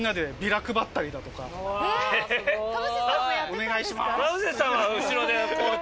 「お願いします」って。